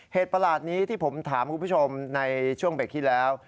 ประหลาดนี้ที่ผมถามคุณผู้ชมในช่วงเบรกที่แล้ว